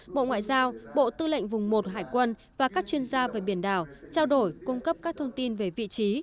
bộ ngoại giao bộ tư lệnh vùng một hải quân và các chuyên gia về biển đảo trao đổi cung cấp các thông tin về vị trí